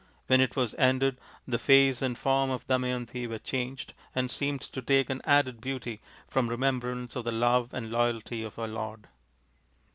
When it was ended the face and form of Damayanti were changed and seemed to take an added beauty from remembrance of the love and loyalty of her lord.